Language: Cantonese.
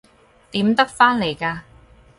點得返嚟㗎？